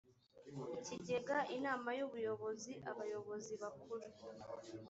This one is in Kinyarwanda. ikigega inama y ubuyobozi abayobozi bakuru